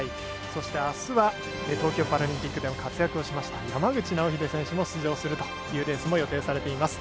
そして、あすは東京パラリンピックでも活躍をしました山口尚秀選手も出場するというレースも予定されています。